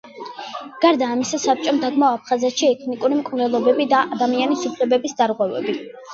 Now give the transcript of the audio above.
გარდა ამისა, საბჭომ დაგმო აფხაზეთში ეთნიკური მკვლელობები და ადამიანის უფლებების დარღვევები.